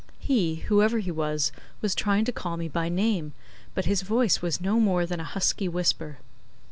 He, whoever he was, was trying to call me by name, but his voice was no more than a husky whisper.